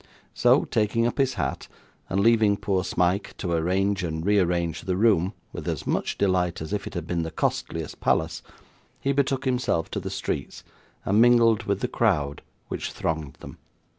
So, taking up his hat, and leaving poor Smike to arrange and rearrange the room with as much delight as if it had been the costliest palace, he betook himself to the streets, and mingled with the crowd which thronged them.